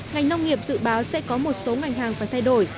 ngành nông nghiệp dự báo sẽ có một số ngành hàng phải thay đổi